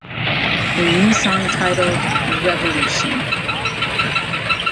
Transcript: A new song titled "Revolution".